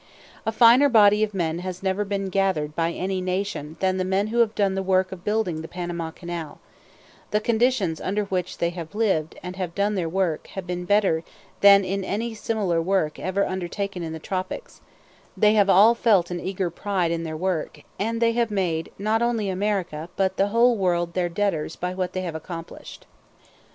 A finer body of men has never been gathered by any nation than the men who have done the work of building the Panama Canal; the conditions under which they have lived and have done their work have been better than in any similar work ever undertaken in the tropics; they have all felt an eager pride in their work; and they have made not only America but the whole world their debtors by what they have accomplished.